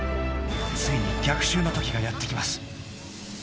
［ついに逆襲の時がやって来ます］